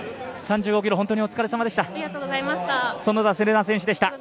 ３５ｋｍ、本当にお疲れさまでした。